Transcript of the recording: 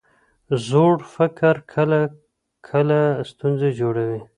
زوړ فکر کله کله ستونزې جوړوي.